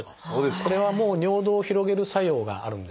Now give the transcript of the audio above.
これはもう尿道を広げる作用があるんですね。